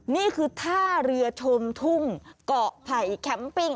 นี่คือท่าเรือชมทุ่งเกาะไผ่แคมปิ้ง